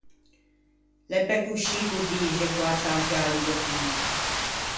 L’é pe coscì ch’o dixe ch’o â ciantià lì de fummâ.